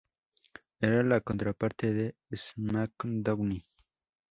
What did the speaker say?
Era la contraparte de "SmackDown!